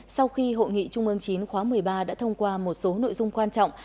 sau khi hội nghị trung ương chín khóa một mươi ba đã thông qua một số nội dung quan trọng